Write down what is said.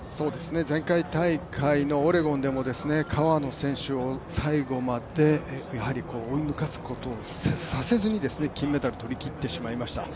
前回大会のオレゴンでも川野選手を最後まで追い抜かすことをさせずに金メダルを取り切ってしまいました。